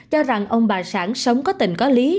cho rằng ông bà sản sống có tình có lý